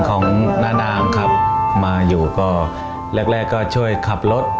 หอกง่ายเลยไหม